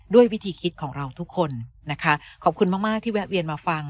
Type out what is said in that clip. วิธีคิดของเราทุกคนนะคะขอบคุณมากมากที่แวะเวียนมาฟัง